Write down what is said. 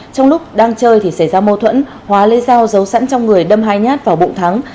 trong lúc đang chơi thì xảy ra mâu thuẫn hóa lấy dao giấu sẵn trong người đâm hai nhát vào bụng thắng